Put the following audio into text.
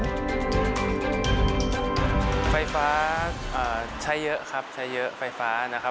ไฟฟ้าใช้เยอะครับใช้เยอะไฟฟ้านะครับ